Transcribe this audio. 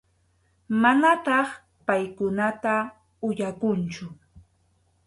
Manataq paykunata uyakunchu.